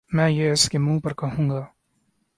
میں یہ اسکے منہ پر کہوں گا